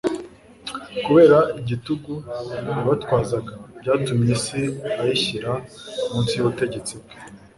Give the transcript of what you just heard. Kubera igitugu yabatwazaga, byatumye isi ayishyira munsi y'ubutegetsi bwe.